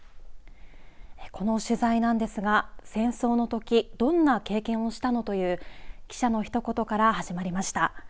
この取材なんですが戦争のときどんな経験をしたのという記者の一言から始まりました。